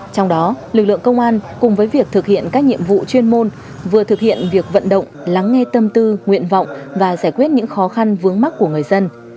trong đó lực lượng công an cùng với việc thực hiện các nhiệm vụ chuyên môn vừa thực hiện việc vận động lắng nghe tâm tư nguyện vọng và giải quyết những khó khăn vướng mắt của người dân